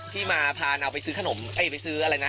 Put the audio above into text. ที่มาพาเราไปซื้อขนมไปซื้ออะไรนะ